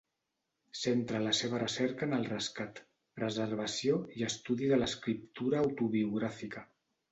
Centra la seva recerca en el rescat, preservació i estudi de l'escriptura autobiogràfica.